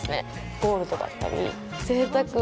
ゴールドだったり贅沢。